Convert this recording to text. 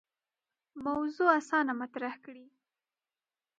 موضوع اسانه مطرح کړي.